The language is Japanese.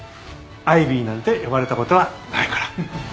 アイビーなんて呼ばれたことはないから。